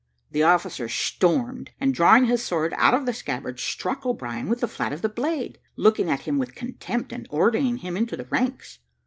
The officer stormed, and drawing his sword out of the scabbard, struck O'Brien with the flat of the blade, looking at him with contempt, and ordering him into the ranks.